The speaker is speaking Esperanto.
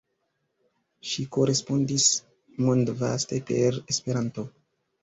Ŝi korespondis mondvaste per Esperanto.